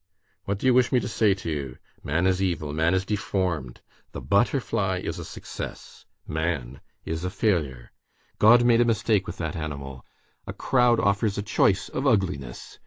What do you wish me to say to you? Man is evil, man is deformed; the butterfly is a success, man is a failure. God made a mistake with that animal. A crowd offers a choice of ugliness.